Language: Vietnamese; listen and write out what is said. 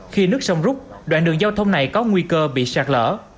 khi nứt sông rút đoạn đường giao thông này có nguy cơ bị sạt lỡ